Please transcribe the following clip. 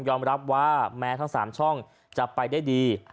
รับว่าแม้ทั้ง๓ช่องจะไปได้ดี